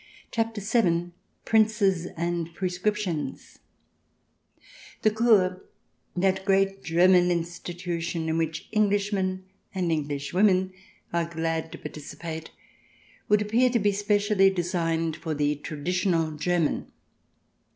CHAPTER VII PRINCES AND PRESCRIPTIONS The Kur — that great German institution in which Englishmen and Englishwomen are glad to partici pate — would appear to be specially designed for the traditional German.